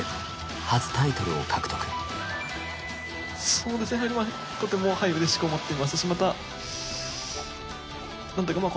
そうですねとても嬉しく思っていますしまたなんていうかまあ